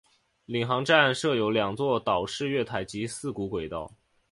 领航站设有两座岛式月台及四股轨道。